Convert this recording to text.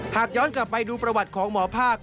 หากย้อนกลับไปดูประวัติของหมอภาค